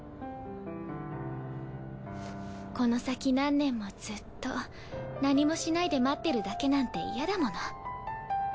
この先何年もずっと何もしないで待ってるだけなんて嫌だもの。